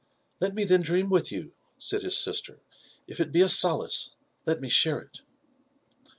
*<Let me then dream with you," said his sister. '' If it he a solace, let me share it.